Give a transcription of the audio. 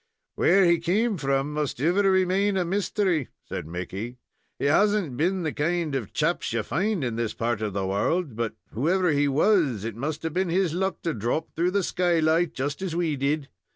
"Where he came from must iver remain a mystery," said Mickey. "He hasn't been the kind of chaps you find in this part of the world; but whoever he was, it must have been his luck to drop through the skylight, just as we did.